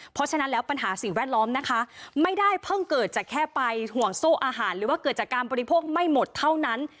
เพราะฉะนั้นแล้วปัญหาสิ่งแวดล้อมนะคะไม่ได้เพิ่งเกิดจากแค่ไปห่วงโซ่อาหารหรือว่าเกิดจากการบริโภคไม่หมดเท่านั้น